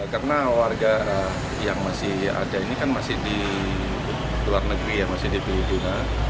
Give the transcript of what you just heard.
karena warga yang masih ada ini kan masih di luar negeri yang masih di filipina